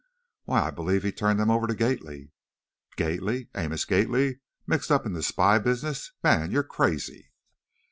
"Why, I believe he turned them over to Gately." "Gately! Amos Gately mixed up in spy business! Man, you're crazy!"